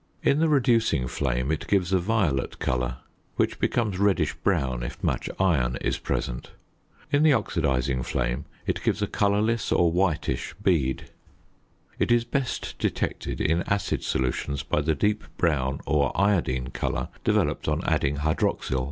In the reducing flame it gives a violet colour, which becomes reddish brown if much iron is present. In the oxidising flame it gives a colourless or whitish bead. It is best detected in acid solutions by the deep brown or iodine colour developed on adding hydroxyl.